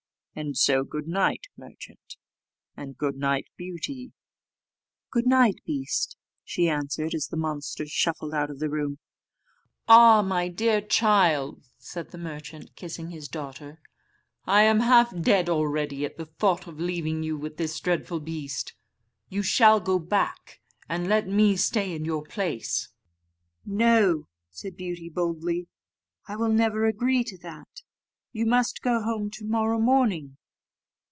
"And so good night, merchant. And good night, Beauty." "Good night, beast," she answered, as the monster shuffled out of the room. "Ah! my dear child," said the merchant, kissing his daughter, "I am half dead already, at the thought of leaving you with this dreadful beast; you shall go back and let me stay in your place." "No," said Beauty, boldly, "I will never agree to that; you must go home to morrow morning."